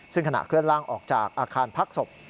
ซึ่งขณะเคลื่อนล่างออกจากอาคารพักศพ